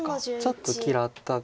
ちょっと嫌った。